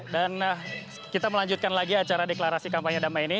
dan kita melanjutkan lagi acara deklarasi kampanye damai ini